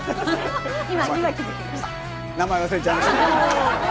あ、名前忘れちゃいました。